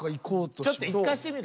ちょっといかしてみる？